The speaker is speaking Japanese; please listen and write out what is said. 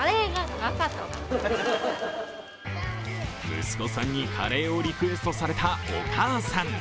息子さんにカレーをリクエストされたお母さん。